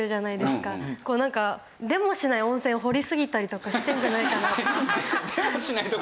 出もしない温泉掘りすぎたりとかしてるんじゃないかなとか。